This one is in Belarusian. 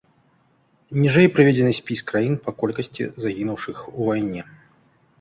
Ніжэй прыведзены спіс краін па колькасці загінуўшых у вайне.